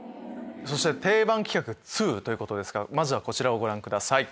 そして定番企画２ということでまずはこちらをご覧ください。